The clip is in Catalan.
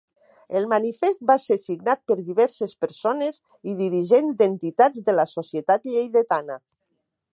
El manifest va ser signat per diverses persones i dirigents d'entitats de la societat lleidatana.